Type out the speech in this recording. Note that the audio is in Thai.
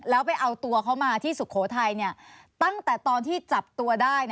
แล้วไปเอาตัวเขามาที่สุโขทัยตั้งแต่ตอนที่จับตัวได้